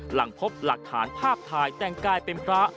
หลังพบหลักฐานภาพถ่ายแต่งกายเป็นพระ